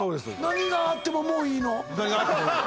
「何があってももういいの」